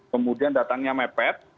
kemudian datangnya mepet